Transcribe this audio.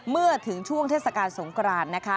เมื่อถึงช่วงเทศกาลสงกรานนะคะ